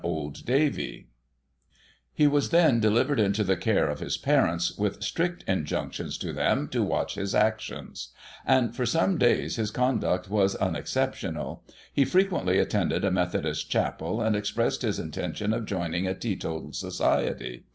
Old Davey." Digitized by Google 1841] THE BOY JONES. 155 He was then delivered into the care of his parents, with strict injunctions to them to watch his actions ; and, for some days, his conduct was unexceptionable ; he frequently attended a Methodist chapel, and expressed his intention of joining a teetotal society.